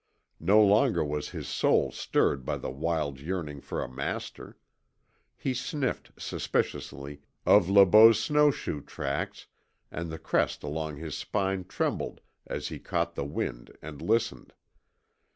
No longer was his soul stirred by the wild yearning for a master. He sniffed, suspiciously, of Le Beau's snowshoe tracks and the crest along his spine trembled as he caught the wind, and listened.